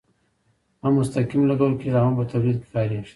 هم مستقیم لګول کیږي او هم په تولید کې کاریږي.